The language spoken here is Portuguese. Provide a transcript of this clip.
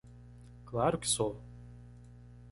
Claro que sou!